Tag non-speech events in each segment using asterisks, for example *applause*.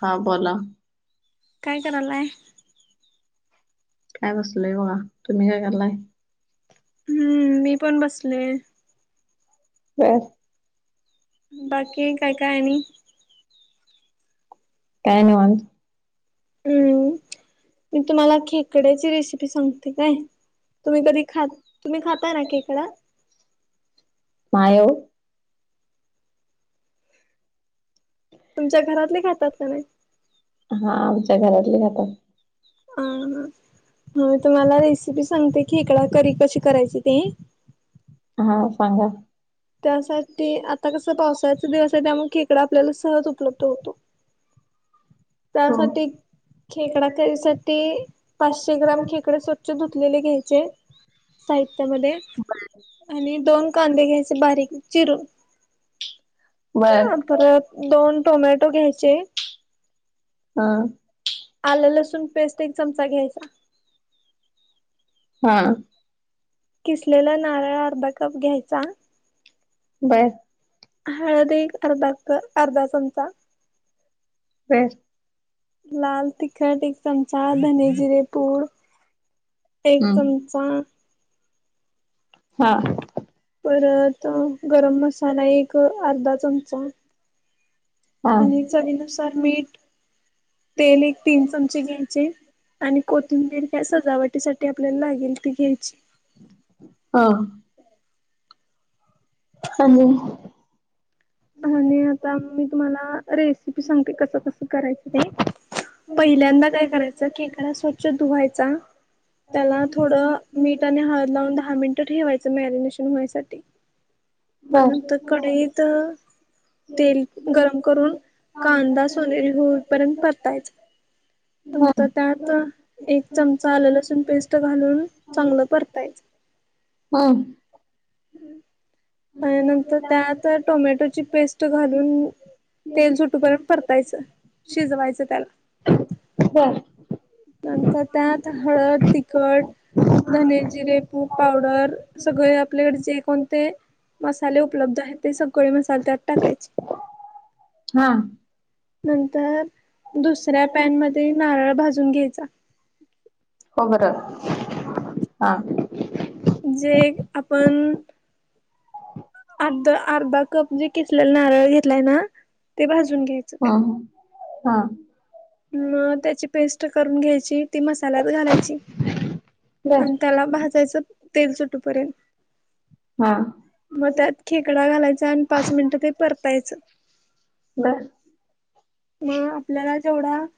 हा बोला. काय करायलाय. काय बसलय बघा तुम्ही काय कलाय. हम्म मी पण बसले. *unintelligible* बाकी काय काय आणि? काय निवांत. हम्म मी तुम्हाला खेकड्याची रेसिपी सांगते काय. तुम्ही कधी खात तुम्ही खाता ना खेकडा. नाही ओ. तुमच्या घरातले खातात का नाही. हा आमच्या घरातले खातात. ह तुम्हाला रेसिपी सांगते की खेकडा करी कशी करायची ते. हा सांगा. त्यासाठी आता कसं पावसाळ्याचा दिवस आहे त्यामुळे खेकडा आपल्याला सहज उपलब्ध होतो. त्यासाठी. खेकडा खरीसाठी पाचशे ग्राम खेकडे स्वच्छ धुतलेले घ्यायचे. साहित्यामध्ये आणि दोन कांदे घ्यायचे बारीक चिरून. बर. हा परत दोन टोमॅटो घ्यायचे. हां. आलं लसूण पेस्ट एक चमचा घ्यायचा. हा. किसलेला नारळ अर्धा कप घ्यायचा. बर. हळदी एक अर्धा क अर्धा चमचा. हम्. लाल, तिखट एक चमचा. धनी, जिरे पूड - - एक हम्म चमचा. हा. परत गरम मसाला एक अर्धा चमचा. हा. आणि चवीनुसार मीठ. तेल एक तीन चमचे घ्यायचे. आणि कोथिंबीर काय सजावटीसाठी आपल्याला लागेल ती घ्यायची. हा. *unintelligible* आणि आता मी तुम्हाला रेसिपी सांगते कसं कसं करायचं ते. पहिल्यांदा काय करायचं खेकडा स्वच्छ धुवायचा. त्याला थोडं- - मीठ आणि हळद लावून दहा मिनटं ठेवायचं मॅरिनेशन होण्यासाठी बर म्हणुन तर कढईत तेल गरम करून - - कांदा सोनेरी होईपर्यंत परतायचा. हम् नंतर त्यात एक चमचा आलं लसूण पेस्ट घालून चांगलं परतायचं. हां. त्या नंतर त्यात टोमॅटोची पेस्ट घालून तेल सुटूपर्यंत परतायचं. शिजवायचं त्याला. *unintelligible* नंतर त्यात हळद, तिखट - - धने, जिरे पूक पावडर सगळे आपलेकडं जे कोणते मसाले उपलब्ध आहेत. ते सगळे मसाले त्यात - - टाकायचं. हा नंतर दुसऱ्या पॅन म - - ते नारळ भाजून घ्यायचा. खोबर हा. जे आपण अर्ध अर्धा कप जे किसलेला नारळ घेतलाय ना ते भाजून घ्यायच. हो. हां. म त्याची पेस्ट करून घ्यायची. ती मसाल्यात घालायची. बर आणि त्याला भाजायचं तेल सुटूपर्यंत. हा. मग त्यात खेकडा घालायचा आणि पाच मिनिटं ते परतायचं. *unintelligible* मग आपल्याला जेवढा - -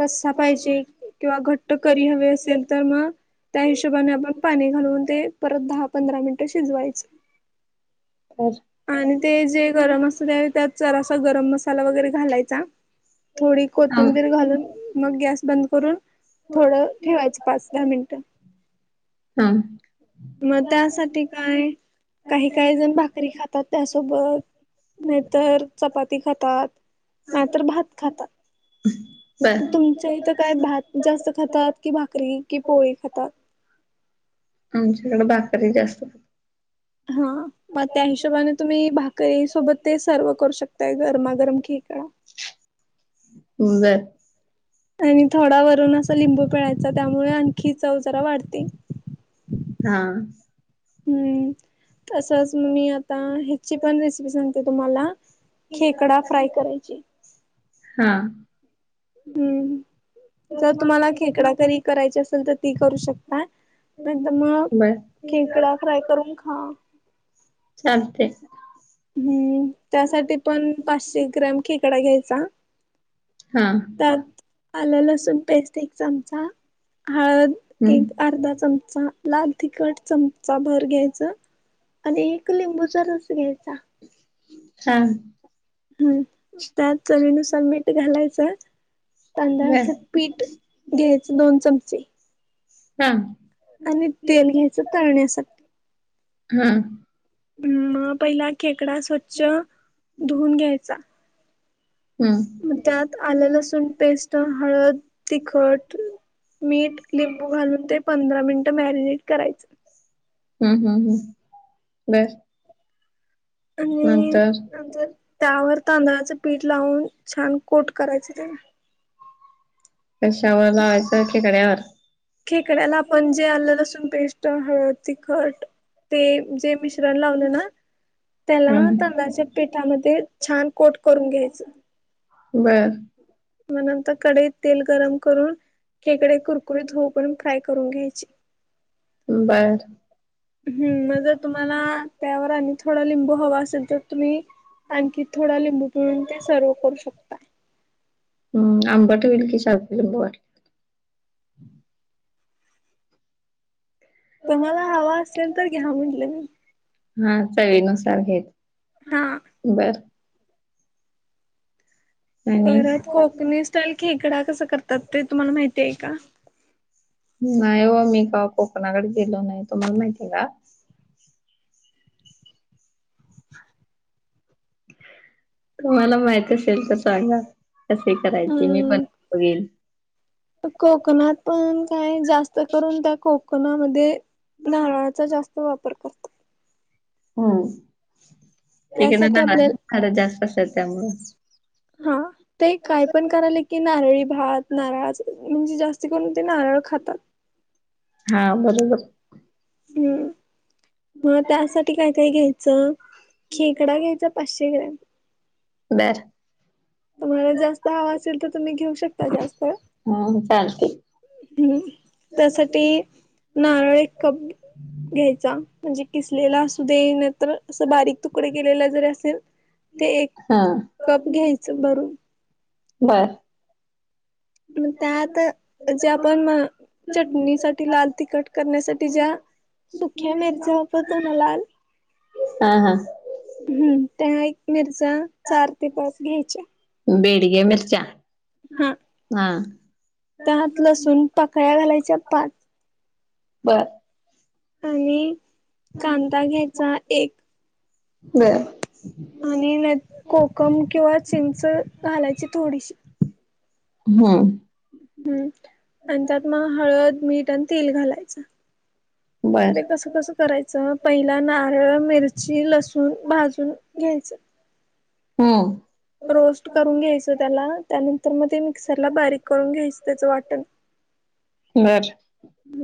रस्सा पाहिजे किंवा घट्ट करी हवी असेल तर मग- - त्या हिशोबाने आपण पाणी घालून ते परत दहा पंधरा मिनिटं शिजवायच. बर आणि ते जे गरम असत त्यावेळी जरासा गरम मसाला वगैरे घालायचा. थोडी हा कोथिंबीर घालून. मग गॅस बंद करून थोडं ठेवायचं. पाच, दहा मिनटं. हा. मग त्यासाठी काय काही काही जण भाकरी खातात त्यासोबत. नाहीतर चपाती खातात. नाहीतर भात खातात. बर. तुमच्या इथं काय भात जास्त खातात की भाकरी कि पोळी खातात? आमच्याकड भाकरी जास्त. हा. मग त्या हिशोबाने तुम्ही भाकरी सोबत ते सर्व करू शकताय गरमागरम खेकडा. होऊन जाईल. आणि थोडा वरून असं लिंबू पिळायचा त्यामुळे आणखी चव जरा वाढते. हा हम्म. तंसच मी आ- - ता ह्याची पण रेसिपी सांगते तुम्हाला. खेकडा फ्राय करायची. हा. हम्म जर तुम्हाला खेकडाकरी करायची असेल तर ती करू शकता. नहीतर मग बर खेकडा फ्राय करून खा चालतय. हम्म त्यासाठी पण पाचशे ग्रॅम खेकडा घ्यायचा. हा त्यात आलं लसूण पेस्ट एक चमचा. हळद हम्म एक अर्धा चमचा लाल तिखट चमचा भर घ्यायचा आणि एक लिंबूचा रस घ्यायचा. हा. हम्म त्यात चवीनुसार मीठ घालायचं. बर तांदळाच पीठ घ्यायचं दोन चमचे हा. आणि तेल घ्यायचं तळण्यासाठी हम्म. हम् पहिला खेकडा स्वच्छ धुवून घ्यायचा. हम्म मग त्यात आले लसून पेस्ट हळद तिखट मीठ लिंबू घालून ते पंधरा मिनिट मॅरिनेट करायचं. हम्म हम् हम् बर. आणि नंतर नंतर त्यावर तांदळाचं पीठ लावून छान कोट करायचं त्या कशावर? लावायचं खेकड्यावर खेकड्याला आपण जे आलं तसून पेस्ट हळद तिखट ते जे मिश्रण लावलं ना. त्याला हम्म तांदळाच्या पिठामध्ये छान कोट करून घ्यायचं. बरं. मग नंतर कडईत तेल गरम करून खेकडे कुरकुरीत होऊ पर्यंत फ्राय करून घ्यायची. *inaudible* बर. हम् मग जर तुम्हाला त्यावर आणि थोडा लिंबू हवा असेल तर तुम्ही आणखी थोडा लिंबू पिळून ते सर्व करू शकता. हम् आंबट होईल की सारखं लिंबू घातल्यावर तुम्हाला हवा असेल तर घ्या म्हटलं मी हा चवीनुसार घ्यायच हा. बरं. आणि परत कोकणी स्टाईल खेकडा कसा करतात ते तुम्हाला माहिती आहे का? नाही हो मी कवा कोकणाकडे गेलो नाही तुम्हाला माहिती आहे का? तुम्हाला माहित असेल तर सांगा कसे करायची मी पण बघेन. कोकणात पण काही जास्त करून त्या कोकणामध्ये नारळात चा जास्त वापर करतात. हो ठीक आहे त्यासाठी ना आपल्याला खार जास्त असत त्यामुळ हा ते काय पण करायले की नारळी भात नारळा चं म्हणजे जास्ती करून ते नारळ खातात. हा बरोबर. हम. मग त्यासाठी काय काय घ्यायचं खेकडा घ्यायचा पाचशे ग्रॅम बर. तुम्हाला जास्त हवा असेल तर तुम्ही घेऊ शकता जास्त. हम चालते. हम्म त्यासाठी नारळ एक कप घ्यायचा म्हणजे किसलेला असू दे नाही तर असं बारीक तुकडे केलेला जरी असेल ते एक हा कप घ्यायचं भरून. बर मग त्यात जे आपण चटणीसाठी लाल तिखट करण्यासाठी ज्या सुख्या मिरच्या वापरतो ना लाल हा हा हम्म त्या एक मिरचा चार ते पाच घ्यायच्या. बेडग मिरच हा हात लसूण पाकळ्या घालायच्या पाच, बरं आणि कांदा घ्यायचा एक बर आणि न कोकम किंवा चिंच घालायची थोडीशी हा हम्म आणि त्यात मग हळद मीठ आणि तेल घालायचं. म्ह बर कसं कसं करायचं पहिला नारळ, मिरची, लसूण भाजून घ्यायचं. होम रोस्ट करून घ्यायचं त्याला त्यानंतर मग ते मिक्सरला बारीक करून घ्यायचं त्याचं वाटण. बर.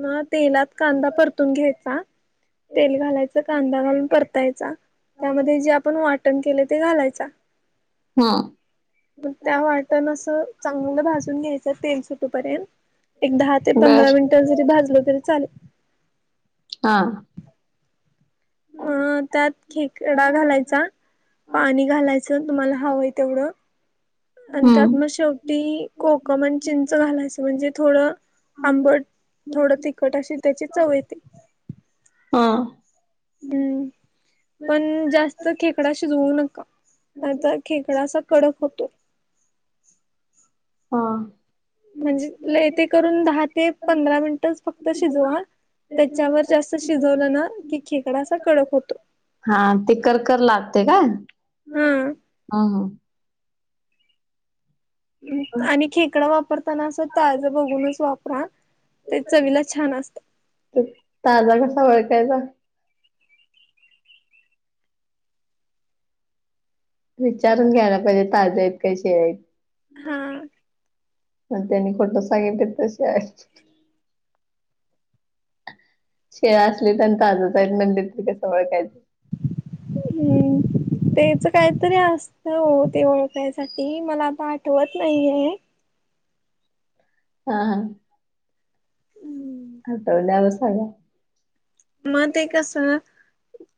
म तेलात कांदा परतून घ्यायचा तेल घालायचं कांदा घालून परतायचा. त्यामध्ये जे आपण वाटण केलं ते घालायच. हम्म मग त्या वाटण असं चांगलं भाजून घ्यायचं तेल सुटूपर्यंत एक दहा ते पंधरा बर मिनिटं जरी भाजलं तरी चालेल. हा मग त्यात खेकडा घालायचा पाणी घालायचं तुम्हाला हवं आहे तेवढं. आणि त्यात मग शेवट हम्म ती कोकम आणि चिंच घालायचं म्हणजे थोडं आंबट. थोडं तिखट अशी त्याची चवयती. हा हम् पण जास्त खेकडा शिजवू नका आता खेकडाचा कडक होतो. हा म्हणजे ल ते करून दहा ते पंधरा मिनिटच फक्त शिजवा. त्याच्यावर जास्त शिजवलं ना कि खेकडा अस कडक होतो. हा ते करकर लागते का? हा. आणि खेकडं वापरताना असं ताज बघूनच वापरा. ते चवीला छान असतात. तर ताजा कसा वळखयचा? विचारून घ्यायला पाहिजे ताज्या आहेत कसे आहेत. हा मग त्यांनी खोटं सांगितले तसे आहेत. शेळा असली तर ताजत आहेत म्हण द त कसं ओळखायचं? *unintelligible* तेच काहीतरी असत हो ते ओळखयसाठी मला आता आठवत नाहीये. हा हा आता मग ते कसं?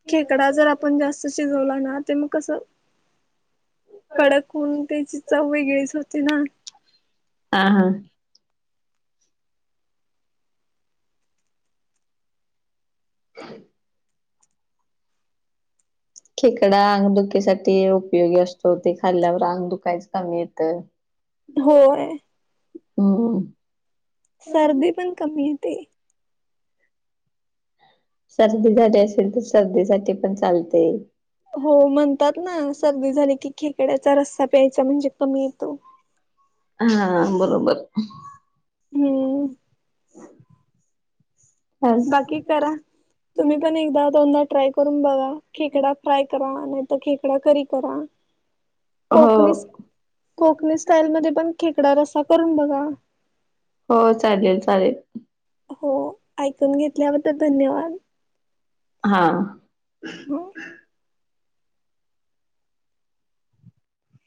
खेकडा जर आपण जास्त शिजवला ना ते मग कसं कडकून त्याची चव वेगळीच होते ना? हा हा ह खेकडा अंगदुखेसाठी उपयोगी असतो ते खाल्ल्यावर अंग दुखायचं कमी येतं. होय. हम. सर्दी पण कमी येते. सर्दी झाली असेल तर सर्दीसाठी पण चालते. हो म्हणतात ना सर्दी झाली की खेकड्याचा रस्सा प्यायचा म्हणजे कमी येतो. हा बरोबर. हम्म. *inaudible* बाकी करा तुम्ही पण एकदा दोनदा ट्राय. करून बघा खेकडा फ्राय करा नाहीतर खेकडा करी करा. कोकणी हो कोकणी स्टाईल मध्ये पण खेकडा रस्सा करून बघा. हो चालेल चालेल. हो ऐकून घेतल्याबद्दल धन्यवाद. हा. हो.